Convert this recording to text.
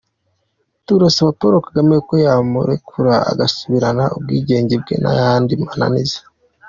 Turasaba Paul Kagame ko yamurekura agasubirana ubwigenge bwe nta yandi mananiza.